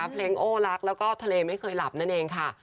โอ้รักแล้วก็ทะเลไม่เคยหลับนั่นเองค่ะ